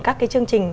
các cái chương trình